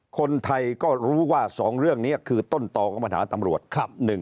คนไทยก็รู้ว่าสองเรื่องนี้คือต้นตอกับมหาละตำรวจ